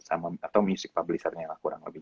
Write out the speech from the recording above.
sama atau music publishernya lah kurang lebih